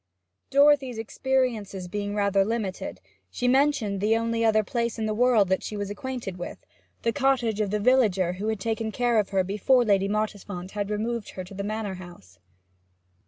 Dorothy's experiences being rather limited, she mentioned the only other place in the world that she was acquainted with, the cottage of the villager who had taken care of her before Lady Mottisfont had removed her to the Manor House.